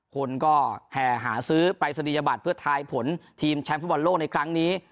คนก็แห่หาซื้อปรายศนียบัตรเพื่อทายผลทีมแชมป์ฟุตบอลโลกในครั้งนี้